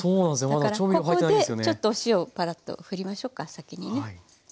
だからここでちょっとお塩をパラッとふりましょうか先にね。